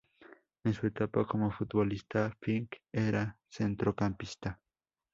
En su etapa como futbolista, Fink era centrocampista.